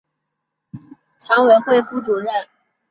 之后连任开封市第十三届人大常委会副主任。